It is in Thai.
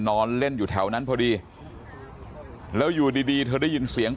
นอนเล่นอยู่แถวนั้นพอดีแล้วอยู่ดีดีเธอได้ยินเสียง